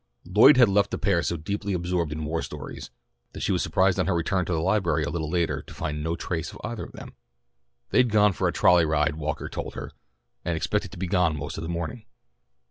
Lloyd had left the pair so deeply absorbed in war stories, that she was surprised on her return to the library a little later, to find no trace of either of them. They'd gone for a trolley ride Walker told her, and expected to be gone most of the morning.